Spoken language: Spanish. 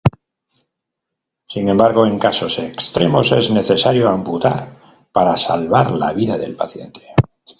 Sin embargo en casos extremos es necesario amputar para salvar la vida del paciente.